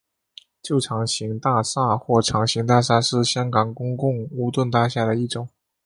旧长型大厦或长型大厦是香港公共屋邨大厦的一种。